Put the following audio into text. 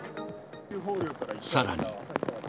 さらに。